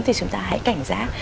thì chúng ta hãy cảnh giác